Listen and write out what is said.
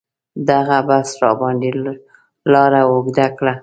دغه بس راباندې لاره اوږده کړه.